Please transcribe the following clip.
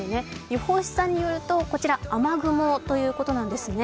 予報士さんによると、こちらは雨雲ということなんですね。